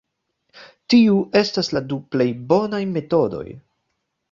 Tiu estas la du plej bonaj metodoj.